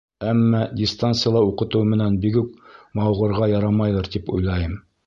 Әммә дистанцияла уҡытыу менән бигүк мауығырға ярамайҙыр, тип уйлайым.